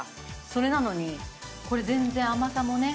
それなのにこれ全然甘さもね。